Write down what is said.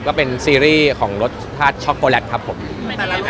ก็เป็นซีรีส์ของรสช็อคโกแลตครับผมแต่ละรสชาติมันอร่อยยังไงบ้างครับพี่บอล